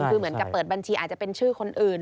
คือเหมือนกับเปิดบัญชีอาจจะเป็นชื่อคนอื่น